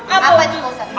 apa juga pak